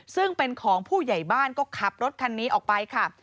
ซึ่งเป็นของผู้ใหญ่บ้านก็ขับรถคันนี้ออกไปค่ะ